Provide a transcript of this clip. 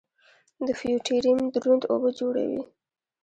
د فیوټیریم دروند اوبه جوړوي.